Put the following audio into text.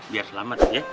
biar selamat ya